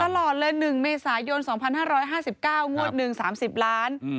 ตลอดเลย๑เมษายน๒๕๕๙งวดหนึ่ง๓๐ล้าน